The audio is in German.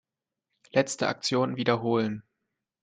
Letzte Aktion wiederholen.